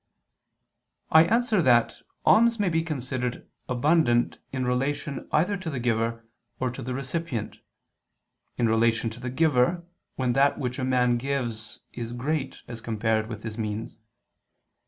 I answer that, Alms may be considered abundant in relation either to the giver, or to the recipient: in relation to the giver, when that which a man gives is great as compared with his means.